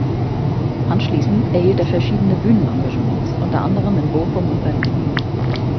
Anschließend erhielt er verschiedene Bühnenengagements, unter anderem in Bochum und Berlin.